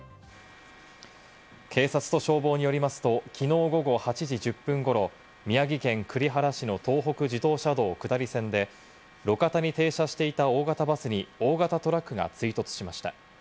警察と消防によりますと、きのう午後８時１０分頃、宮城県栗原市の東北自動車道下り線で路肩に停車していた大型バスに大型トラックが追突しました。